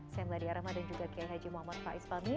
saya meladya rahman dan juga kiai haji muhammad faiz palmi